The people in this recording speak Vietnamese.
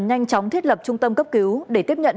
nhanh chóng thiết lập trung tâm cấp cứu để tiếp nhận